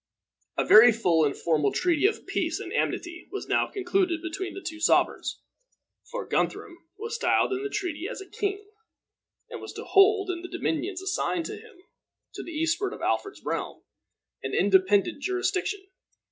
A very full and formal treaty of peace and amity was now concluded between the two sovereigns; for Guthrum was styled in the treaty a king, and was to hold, in the dominions assigned him to the eastward of Alfred's realm, an independent jurisdiction.